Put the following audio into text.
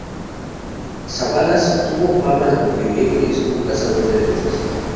Savalas tuvo fama de mujeriego y estuvo casado tres veces.